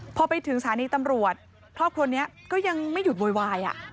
พอไปถึงสถานีตำรวจครอบครัวนี้ก็ยังไม่หยุดโวยวาย